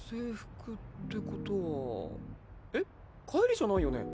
帰りじゃないよね？